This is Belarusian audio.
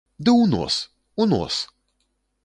Ды ў нос, у нос!